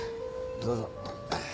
どうぞ。